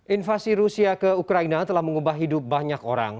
invasi rusia ke ukraina telah mengubah hidup banyak orang